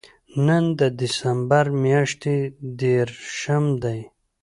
نن د دېسمبر میاشتې درېرشم دی